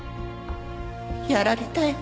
やられたよ